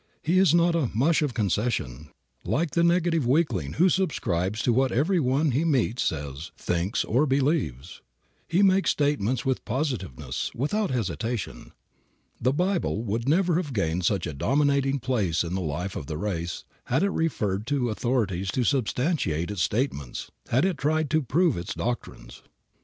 He is not a "mush of concession," like the negative weakling who subscribes to what everyone he meets says, thinks or believes. He makes statements with positiveness, without hesitation. The Bible would never have gained such a dominating place in the life of the race had it referred to authorities to substantiate its statements; had it tried to prove its doctrines.